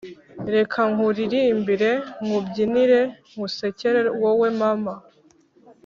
reka nkuririmbire nkubyinire nkusekere wowe mama